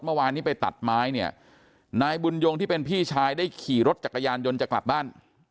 เมื่อวานนี้ไปตัดไม้เนี่ยนายบุญยงที่เป็นพี่ชายได้ขี่รถจักรยานยนต์จะกลับบ้าน